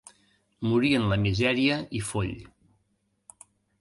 Morí en la misèria i foll.